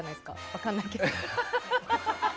分からないけど。